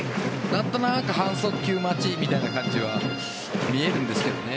何となく半速球待ちみたいな感じは見えるんですけどね。